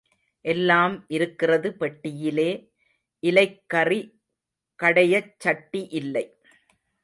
எல்லாம் இருக்கிறது பெட்டியிலே, இலைக்கறி கடையச் சட்டி இல்லை.